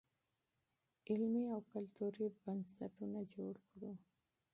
علمي او کلتوري بنسټونه جوړ کړو.